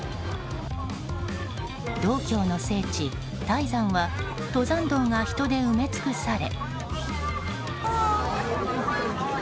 道教の聖地、泰山は登山道が人で埋め尽くされ。